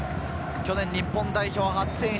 去年、日本代表初選出。